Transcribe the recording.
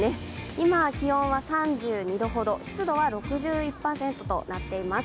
今、気温は３２度ほど、湿度は６１％となっています。